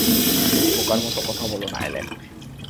বোকার মত কথা বলোনা, অ্যালেক।